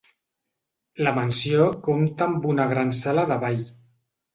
La mansió compta amb una gran sala de ball.